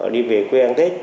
đi về quê ăn tết